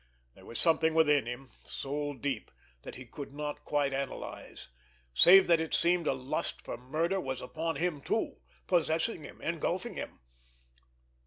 There was something within him, soul deep, that he could not quite analyse—save that it seemed a lust for murder was upon him too, possessing him, engulfing him.